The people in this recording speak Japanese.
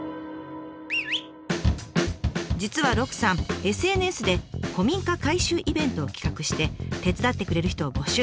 実は鹿さんＳＮＳで古民家改修イベントを企画して手伝ってくれる人を募集。